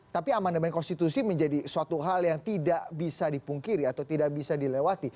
tapi amandemen konstitusi menjadi suatu hal yang tidak bisa dipungkiri atau tidak bisa dilewati